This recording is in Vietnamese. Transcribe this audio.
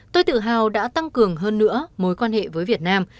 tôi tự hào đã tăng cường hơn nữa mối quan hệ với việt nam